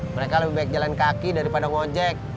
mereka lebih baik jalan kaki daripada ngojek